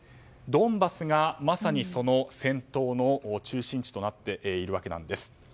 ドンバスがまさにその戦闘の中心地となっているわけです。